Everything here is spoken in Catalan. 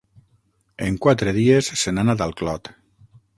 En quatre dies se n'ha anat al clot.